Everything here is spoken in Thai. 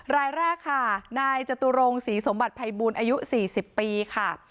รายแรกค่ะนายจตุรงศรีสมบัติภัยบูลอายุ๔๐ปีค่ะ